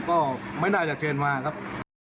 ก็ไม่น่าจะเชิญมาครับ